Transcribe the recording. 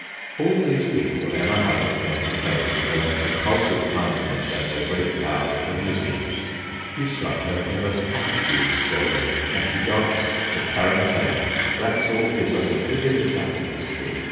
All these people Emma Hamilton enter tained with her impulsive kindness and her great powers of amusement. She struck her famous * attitudes ' for them, and she danced the tarantella. Wraxall gives us a vivid account of this treat.